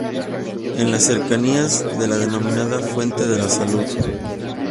En las cercanías de la denominada "Fuente de la Salud".